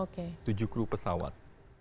tujuh kru pesawat